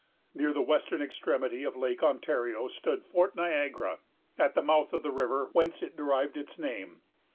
Near the western extremity of Lake Ontario stood Fort Niagara, at the mouth of the river whence it derived its name.